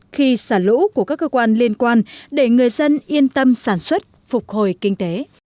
khi xả lũ của các cơ quan liên quan để người dân yên tâm sản xuất phục hồi kinh tế